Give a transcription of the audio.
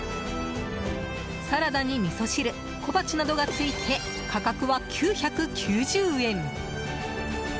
サラダにみそ汁小鉢などがついて価格は９９０円。